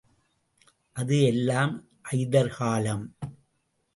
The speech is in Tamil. அது எல்லாம் ஐதர் காலம்.